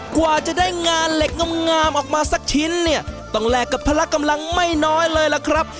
กว่าจะได้งานเหล็กงำงามออกมาสักชิ้นเนี่ยต้องแลกกับพละกำลังไม่น้อยเลยล่ะครับ